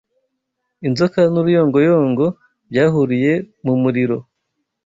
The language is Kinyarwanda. Inzoka n'uruyongoyongo byahuriye mu muriro